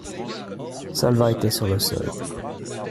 Salvat était sur le seuil.